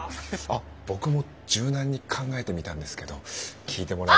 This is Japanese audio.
あっ僕も柔軟に考えてみたんですけど聞いてもらえ。